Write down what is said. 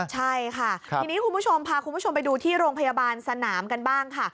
ใช่ค่ะทีนี้คุณผู้ชมพาคุณผู้ชมไปดูที่โรงพยาบาลสนามกันบ้างค่ะ